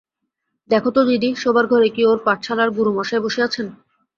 দেখো তো দিদি, শোবার ঘরে কি ওঁর পাঠশালার গুরুমশায় বসে আছেন?